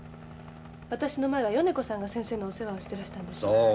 私の前は米子さんが先生のお世話をしてらしたんでしょう。